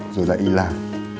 rồi lại đi làm